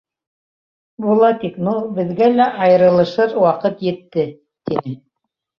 — Булатик, ну, беҙгә лә айырылышыр ваҡыт етте, — тине.